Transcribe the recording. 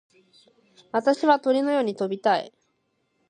私は鳥のように飛びたい。